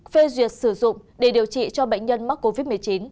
phê duyệt sử dụng để điều trị cho bệnh nhân mắc covid một mươi chín